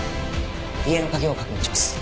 家の鍵を確認します。